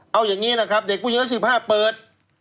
เอาอย่างนี้แหละครับเด็กผู้หญิงอายุ๑๕เปิด